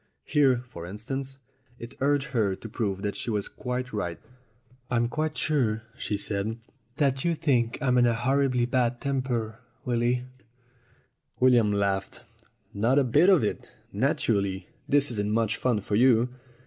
Here, for instance, it urged her to prove that she was quite right. "I'm quite sure," she said, "that you think I'm in a horribly bad temper, Willy." William laughed. "Not a bit of it. Naturally, this isn't much fun for you."